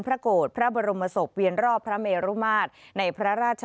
โกรธพระบรมศพเวียนรอบพระเมรุมาตรในพระราช